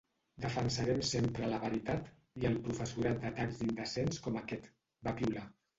“Defensarem sempre la veritat i al professorat d’atacs indecents com aquest”, va piular.